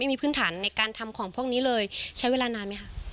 พื้นฐานในการทำของพวกนี้เลยใช้เวลานานไหมคะ